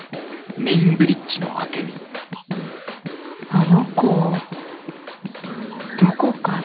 あの子どこかで。